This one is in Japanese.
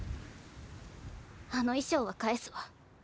あの衣装は返すわ。